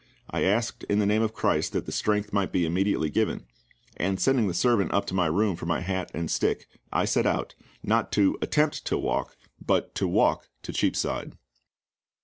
I asked in the name of CHRIST that the strength might be immediately given; and sending the servant up to my room for my hat and stick, I set out, not to attempt to walk, but TO WALK to Cheapside.